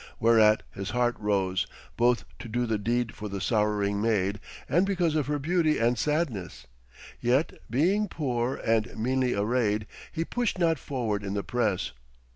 Whereat his heart rose, both to do the deed for the sorrowing maid and because of her beauty and sadness. Yet, being poor and meanly arrayed, he pushed not forward in the press.